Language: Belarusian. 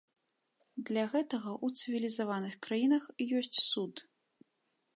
Для гэтага ў цывілізаваных краінах ёсць суд.